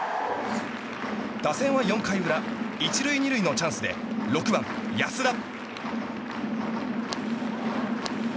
打線は４回裏１塁２塁のチャンスで６番、安田。